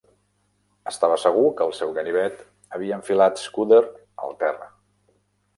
Estava segur que el seu ganivet havia enfilat Scudder al terra.